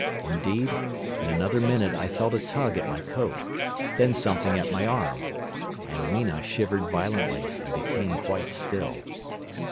Indeed, in another minute I felt a tug at my coat, then something at my arm. And Weena shivered violently, and became quite still.